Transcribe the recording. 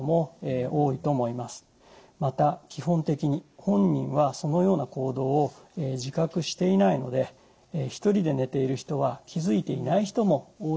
また基本的に本人はそのような行動を自覚していないので１人で寝ている人は気づいていない人も多いのではないでしょうか。